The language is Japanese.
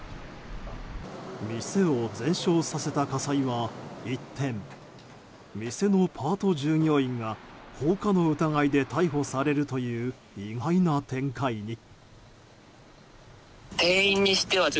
店を全焼させた火災は、一転店のパート従業員が放火の疑いで逮捕されるという意外な展開に。